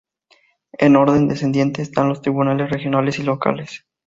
En orden descendente están los Tribunales regionales y locales.